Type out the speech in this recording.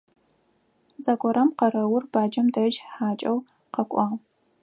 Зэгорэм къэрэур баджэм дэжь хьакӀэу къэкӀуагъ.